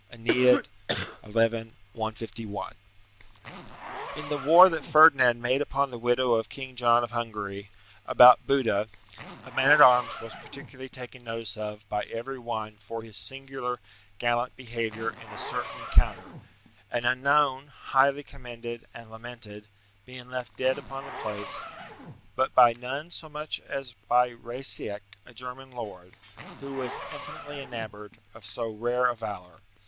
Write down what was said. AEneid, xi. 151.] In the war that Ferdinand made upon the widow of King John of Hungary, about Buda, a man at arms was particularly taken notice of by every one for his singular gallant behaviour in a certain encounter; and, unknown, highly commended, and lamented, being left dead upon the place: but by none so much as by Raisciac, a German lord, who was infinitely enamoured of so rare a valour.